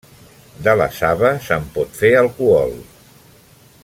De la saba se'n pot fer alcohol.